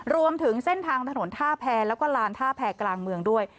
รวมถึงเส้นทางถนนท่าแพรแล้วก็ลานท่าแพรกลางเมืองด้วย